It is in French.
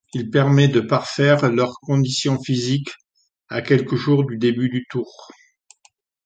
Il permet de parfaire leur condition physique, à quelques jours du début du Tour.